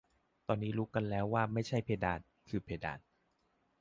ตอนนี้รู้กันแล้วว่าไม่ใช่ เพดานคือเพดาน